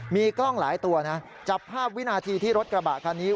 มีกล้องหลายตัวนะจับภาพวินาทีที่รถกระบะคันนี้